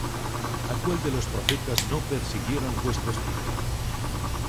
¿A cuál de los profetas no persiguieron vuestros padres?